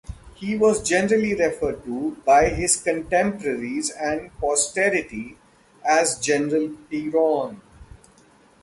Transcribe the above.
He was generally referred to by his contemporaries and posterity as General Perron.